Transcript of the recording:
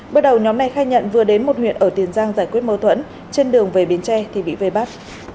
bước đầu nhóm này khai nhận vừa đến một huyện ở tiền giang giải quyết mâu thuẫn trên đường về biến tre thì bị vây bắt